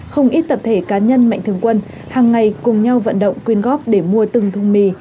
không ít tập thể cá nhân mạnh thường quân hàng ngày cùng nhau vận động quyên góp để mua từng thùng mì